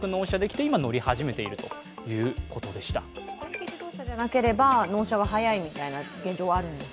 電気自動車じゃなければ、納車が早いというような現状はあるんですか？